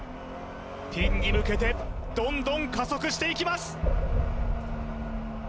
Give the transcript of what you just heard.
ピンに向けてどんどん加速していきます